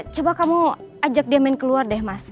coba kamu ajak dia main keluar deh mas